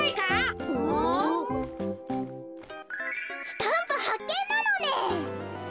スタンプはっけんなのね。